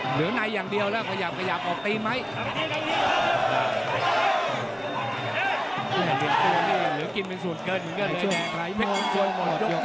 เหลือในอย่างเดียวแล้วขยับขยับออกตีไหม